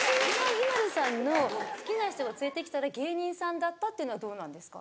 ＩＭＡＬＵさんの好きな人を連れてきたら芸人さんだったというのはどうなんですか？